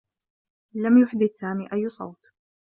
لم يحدث سامي أيّ صوت.